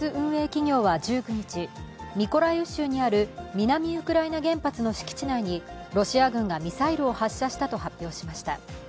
企業は１９日、ミコライウ州にある南ウクライナ原発の敷地内にロシア軍がミサイルを発射したと発表しました。